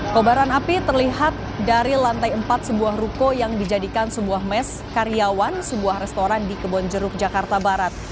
kobaran api terlihat dari lantai empat sebuah ruko yang dijadikan sebuah mes karyawan sebuah restoran di kebonjeruk jakarta barat